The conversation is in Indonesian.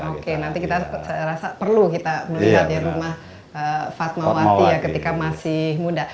oke nanti kita rasa perlu kita melihat ya rumah fatmawati ya ketika masih muda